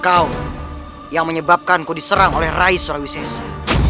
kau yang menyebabkanku diserang oleh rais rawisesi